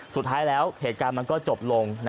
สุดท้ายแล้วเหตุการณ์มันก็จบลง